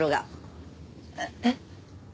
えっ？